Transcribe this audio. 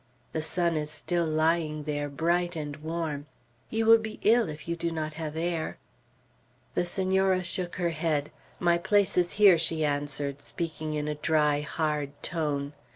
The sun is still lying there, bright and warm. You will be ill if you do not have air." The Senora shook her head. "My place is here," she answered, speaking in a dry, hard tone.